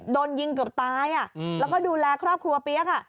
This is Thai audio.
โดนยิงเกือบตายแล้วก็ดูแลครอบครัวเปี๊ยก